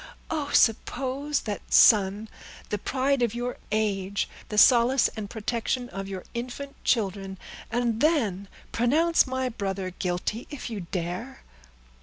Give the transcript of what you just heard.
Oh! suppose that son the pride of your age, the solace and protection of your infant children, and then pronounce my brother guilty, if you dare!"